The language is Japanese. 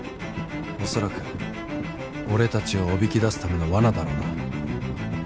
おそらく俺たちを誘き出すための罠だろうな。